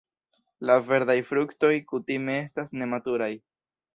La verdaj fruktoj kutime estas nematuraj.